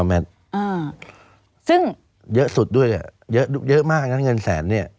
อ่าซึ่งเยอะสุดด้วยอ่ะเยอะเยอะมากงั้นเงินแสนเนี้ย